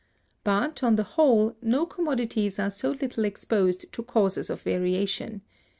But, on the whole, no commodities are so little exposed to causes of variation.